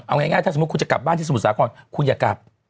เอาง่ายถ้าสมมุติคุณจะกลับบ้านที่สมุทรสาครคุณอย่ากลับ